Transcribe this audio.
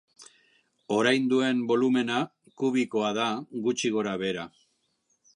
Orain duen bolumena kubikoa da gutxi gora-behera.